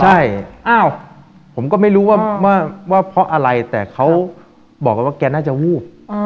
ใช่อ้าวผมก็ไม่รู้ว่าเพราะอะไรแต่เขาบอกกันว่าแกน่าจะวูบ